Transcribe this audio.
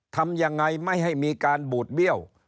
ทำยังไงไม่ให้มีการบูดเบี้ยว